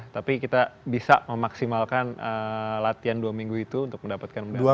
tapi kita bisa memaksimalkan latihan dua minggu itu untuk mendapatkan medalian